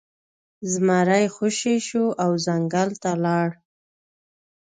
زمری خوشې شو او ځنګل ته لاړ.